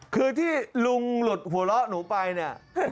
คือที่ลุงหลุดหัวเราะหนูไปเนี่ย